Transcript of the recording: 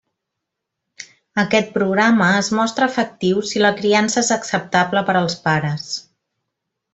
Aquest programa es mostra efectiu si la criança és acceptable per als pares.